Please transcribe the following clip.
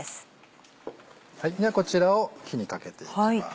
こちらを火にかけていきます。